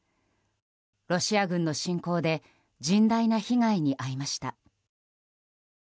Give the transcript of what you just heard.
ロシア軍の侵攻で甚大な被害に遭いました。